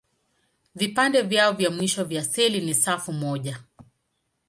Vipande vyao vya mwisho vya seli ni safu moja tu.